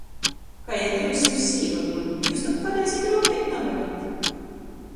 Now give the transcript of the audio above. Kai ar jiusim sīva guļ, jius tok pareizi truopeit navarit!